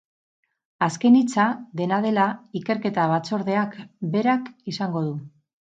Azken hitza, dena dela, ikerketa batzordeak berak izango du.